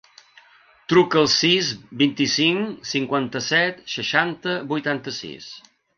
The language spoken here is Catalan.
Truca al sis, vint-i-cinc, cinquanta-set, seixanta, vuitanta-sis.